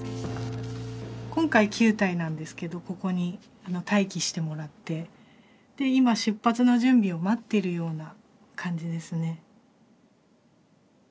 今回９体なんですけどここに待機してもらって今出発の準備を待っているような感じですね。